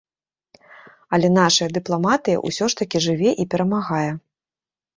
Але нашая дыпламатыя ўсё ж такі жыве і перамагае.